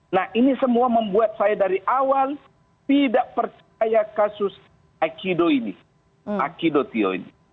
nah ini semua membuat saya dari awal tidak percaya kasus akiditio ini